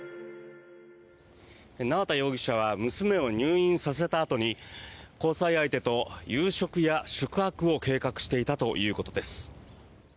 縄田容疑者は娘を入院させたあとに交際相手と夕食や宿泊を計画していたということです。